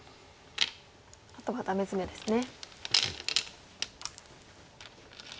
あとはダメヅメですね。